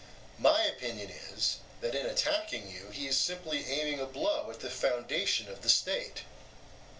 My opinion is that in attacking you he is simply aiming a blow at the foundation of the state.